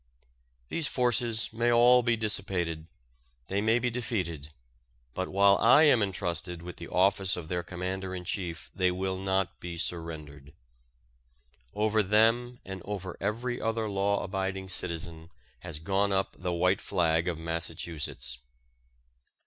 These forces may all be dissipated, they may be defeated, but while I am entrusted with the office of their Commander in Chief they will not be surrendered. Over them and over every other law abiding citizen has gone up the white flag of Massachusetts.